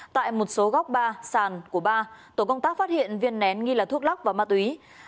tại một số góc ba sàn của ba tổ công tác phát hiện viên nén nghi là thuốc lắc và ma túy